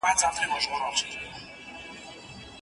آیا لمر تر سپوږمۍ روښانه دی؟